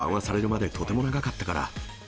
緩和されるまでとても長かったから。